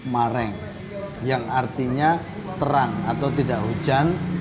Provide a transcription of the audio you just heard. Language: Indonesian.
mareng yang artinya terang atau tidak hujan